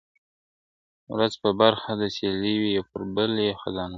ورځ په برخه د سېلۍ وي یو پر بل یې خزانونه؛